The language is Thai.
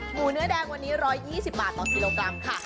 หมูเนื้อแดงวันนี้๑๒๐บาทต่อกิโลกรัมค่ะ